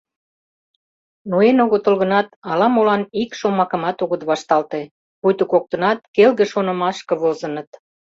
Ноен огытыл гынат, ала-молан ик шомакымат огыт вашталте, пуйто коктынат келге шонымашке возыныт.